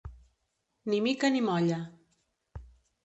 Ni mica ni molla.